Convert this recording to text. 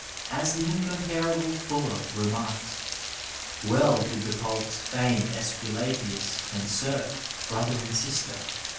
As the incomparable Fuller remarks :'* Well did the poets feign Aesculapius and Circe brother and sister